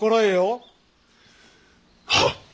はっ！